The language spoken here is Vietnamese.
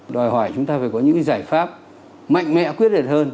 đòi hỏi chúng ta phải có những giải pháp mạnh mẽ quyết liệt hơn